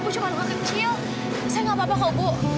bu cuma luka kecil saya gak apa apa kok bu